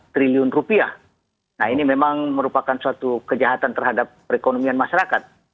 satu ratus tujuh belas empat triliun rupiah nah ini memang merupakan suatu kejahatan terhadap perekonomian masyarakat